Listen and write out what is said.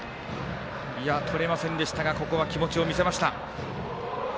とれませんでしたがここは気持ちを見せました。